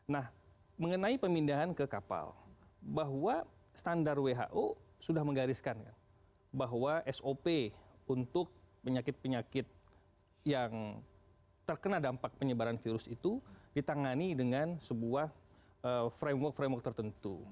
nah mengenai pemindahan ke kapal bahwa standar who sudah menggariskan bahwa sop untuk penyakit penyakit yang terkena dampak penyebaran virus itu ditangani dengan sebuah framework framework tertentu